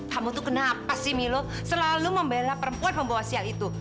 kamu tuh kenapa sih milo selalu membela perempuan membawa sial itu